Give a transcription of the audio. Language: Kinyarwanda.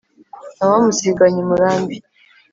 nta wamusiganya umurambi